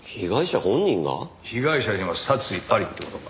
被害者にも殺意ありって事か。